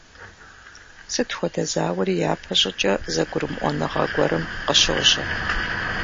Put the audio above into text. Сыт хуэдэ зауэри япэ щӀыкӀэ зэгурымыӀуэныгъэ гуэрым къыщожьэ.